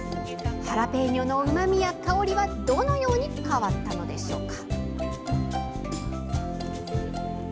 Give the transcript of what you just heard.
ハラペーニョのうまみ、香りはどのように変わったのでしょうか。